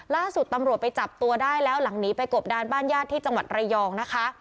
ล่าสุดตำรวจไปจับตัวได้แล้วหลังหนีไปกบดานบ้านญาติที่จังหวัดระยองนะคะ